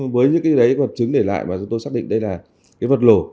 với những vật chứng để lại tôi xác định đây là vật lổ